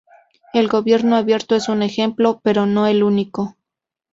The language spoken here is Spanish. El Gobierno Abierto es un ejemplo, pero no el único.